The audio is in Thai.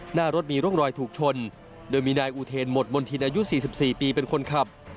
หน้ารถมีร่องรอยถูกชนโดยมีนายอูเทนหมดมณฑินอายุ๔๔ปีเป็นคนขับ